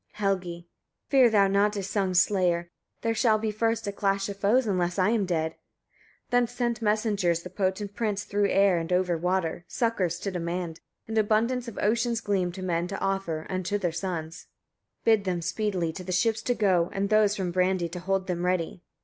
Helgi. 20. Fear thou not Isung's slayer; there shall be first a clash of foes, unless I am dead. 21. Thence sent messengers the potent prince through air and over water, succours to demand, and abundance of ocean's gleam to men to offer, and to their sons. 22. "Bid them speedily to the ships to go, and those from Brandey to hold them ready."